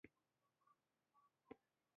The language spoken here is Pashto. د ډاکټرې او انجنیر کوژده د ناول وروستۍ پېښه ده.